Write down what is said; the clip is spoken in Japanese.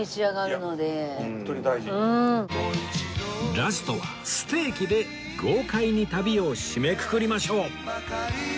ラストはステーキで豪快に旅を締めくくりましょう